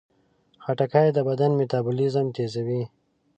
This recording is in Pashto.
خټکی د بدن میتابولیزم تیزوي.